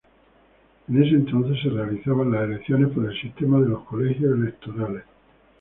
En ese entonces se realizaban las elecciones por el sistema de los colegios electorales.